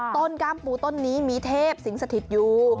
ก้ามปูต้นนี้มีเทพสิงสถิตอยู่